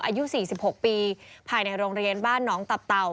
อายุ๔๖ปีภายในโรงเรียนบ้านน้องตับเต่า